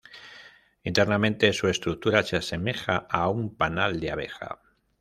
Internamente, su estructura se asemeja a un panal de abeja.